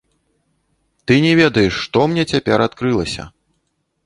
Ты не ведаеш, што мне цяпер адкрылася!